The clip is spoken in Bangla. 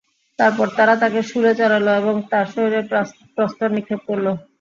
তারপর তারা তাকে শূলে চড়াল এবং তার শরীরে প্রস্তর নিক্ষেপ করল।